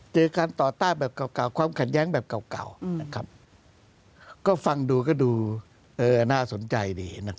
เจอการต่อต้านแบบเก่าความขัดแย้งแบบเก่าก็ฟังดูก็ดูน่าสนใจดี